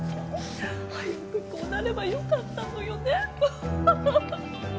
早くこうなればよかったのよね。